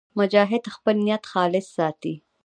مجاهد خپل نیت خالص ساتي.